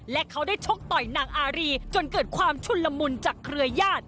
และเขาได้ชกต่อยนางอารีจนเกิดความชุนละมุนจากเครือญาติ